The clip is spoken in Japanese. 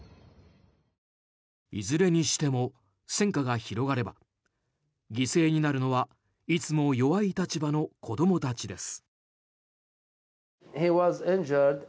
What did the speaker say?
いずれにしても、戦火が広がれば犠牲になるのはいつも弱い立場の子どもたちです。